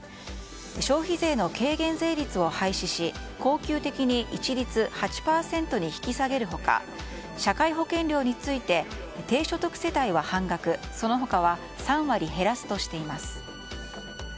消費税の軽減税率を廃止し恒久的に一律８％に引き下げる他社会保険料について低所得世帯は半額その他は３割減らすとしています。